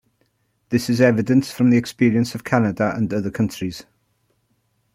This is evident from the experience of Canada and other countries.